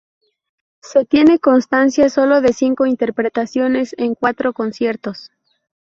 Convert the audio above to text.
Se tiene constancia sólo de cinco interpretaciones en cuatro conciertos.